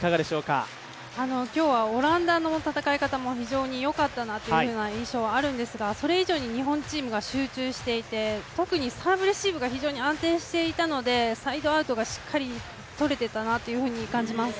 今日はオランダの戦い方も非常によかったなという印象もあるんですがそれ以上に日本チームが集中していて、特にサーブレシーブが非常に安定していたのでサイドアウトがしっかり取れていたなと感じます。